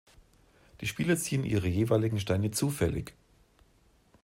Die Spieler ziehen ihre jeweiligen Steine zufällig.